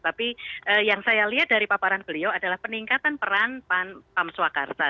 tapi yang saya lihat dari paparan beliau adalah peningkatan peran pam swakarsa